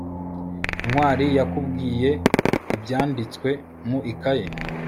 ntwali yakubwiye ibyanditswe mu ikaye